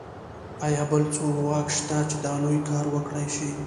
ایا بل کوم ځواک شته چې دا لوی کار وکړای شي